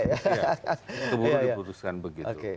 iya keburu dibutuhkan begitu